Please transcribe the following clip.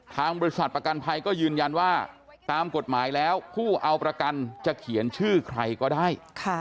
ทางบริษัทประกันภัยก็ยืนยันว่าตามกฎหมายแล้วผู้เอาประกันจะเขียนชื่อใครก็ได้